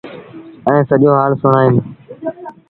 ائيٚݩ سڄو هآل سُڻآئيٚم ۔